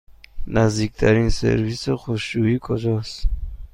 نزدیکترین سرویس خشکشویی کجاست؟